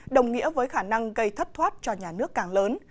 đồng nghĩa với khả năng gây thất thoát cho nhà nước càng lớn